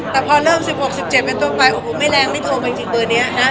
แต่พอเริ่ม๑๖๑๗เป็นต้นไปโอ้โหไม่แรงไม่โทรมาจริงเบอร์นี้นะ